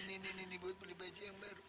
ini buat beli baju yang baru